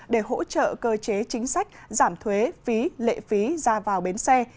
để hỗ trợ cơ chế chính sách giảm thuế phí lệ phí ra vào bến xe